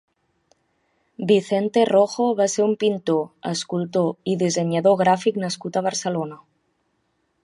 Vicente Rojo va ser un pintor, escultor i dissenyador gràfic nascut a Barcelona.